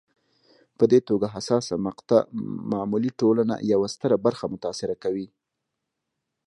په دې توګه حساسه مقطعه معمولا ټولنې یوه ستره برخه متاثره کوي.